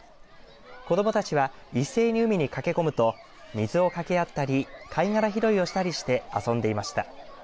子どもたちは一斉に海に駆けこむと水をかけあったり貝がら拾いをして遊んでいました。